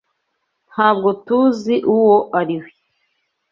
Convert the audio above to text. Ntabwo TUZI uwo ari we.